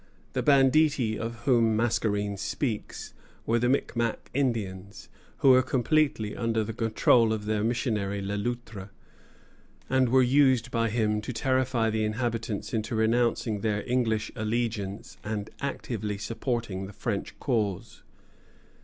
The banditti of whom Mascarene speaks were the Micmac Indians, who were completely under the control of their missionary, Le Loutre, and were used by him to terrify the inhabitants into renouncing their English allegiance and actively supporting the French cause.